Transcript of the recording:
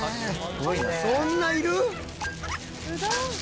そんないる？